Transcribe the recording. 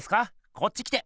こっち来て！